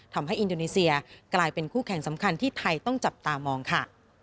ทำให้อินโดนีเซียกลายเป็นคู่แข่งสำคัญที่ไทยต้องจับตามองค่ะ